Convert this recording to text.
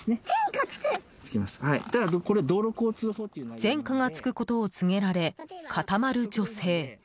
前科がつくことを告げられ固まる女性。